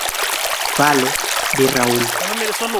_Vale _di Raúl_.